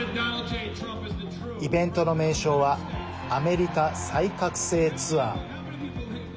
イベントの名称はアメリカ再覚醒ツアー。